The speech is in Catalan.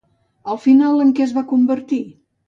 Al final en què es va convertir?